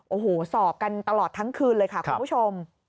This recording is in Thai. โอ้โหสอบกันตลอดทั้งคืนเลยค่ะคุณผู้ชม